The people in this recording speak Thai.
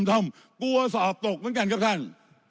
ท่อมกลัวสอบตกเหมือนกันครับท่าน